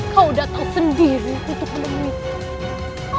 kau datang sendiri untuk menemuinya